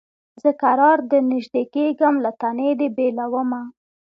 زه کرار درنیژدې کېږم له تنې دي بېلومه